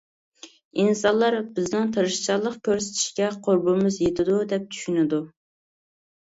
ئىنسانلار، بىزنىڭ تىرىشچانلىق كۆرسىتىشكە قۇربىمىز يېتىدۇ، دەپ چۈشىنىدۇ.